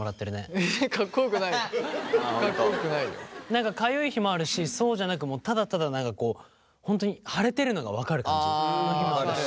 何かかゆい日もあるしそうじゃなくもうただただ何かこう本当に腫れてるのが分かる感じの日もあるし。